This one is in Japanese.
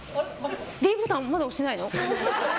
ｄボタン、まだ押してないの？